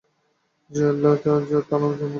জ্বি, আল্লাহ তালা যেমুন রাখছে।